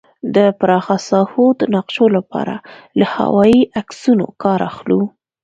د پراخه ساحو د نقشو لپاره له هوايي عکسونو کار اخلو